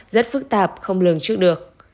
rất phức tạp không lường trước được